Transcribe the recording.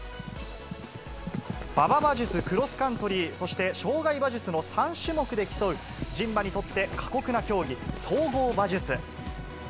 馬場馬術クロスカントリーそして障害馬術の３種目で競う、人馬にとって過酷な競技、総合馬術。